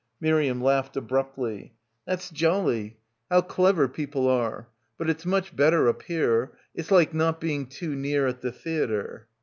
Miriam laughed abruptly. "That's jolly. How clever people are. But it's much better up here. It's like not being too near at the theatre."